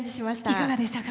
いかがでしたか？